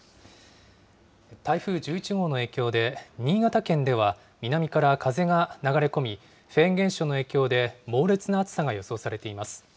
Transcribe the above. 台風１１号の影響で、新潟県では南から風が流れ込み、フェーン現象の影響で、猛烈な暑さが予想されています。